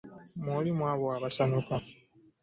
Mwoli mu abo abasanyuka.